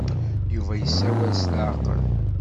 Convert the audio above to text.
Yuba yessawal s leɛqel.